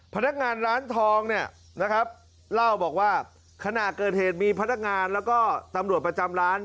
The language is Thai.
พนักงานร้านทองเนี่ยนะครับเล่าบอกว่าขณะเกิดเหตุมีพนักงานแล้วก็ตำรวจประจำร้าน